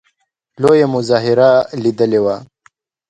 لویه مظاهره لیدلې وه.